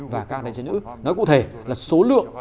và các đại diện nữ nói cụ thể là số lượng